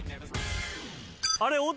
あれ。